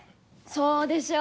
そうでしょう？